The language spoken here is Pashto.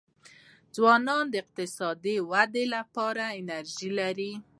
ځوانان د اقتصاد د ودي لپاره انرژي لري.